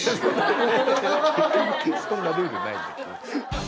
そんなルールない。